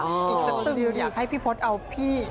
อีกสักทีให้พี่พศเอาพี่